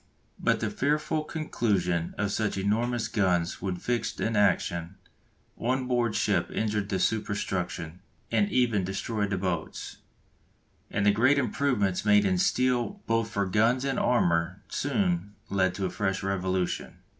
But the fearful concussion of such enormous guns when fixed in action on board ship injured the superstruction, and even destroyed the boats, and the great improvements made in steel both for guns and armour soon led to a fresh revolution.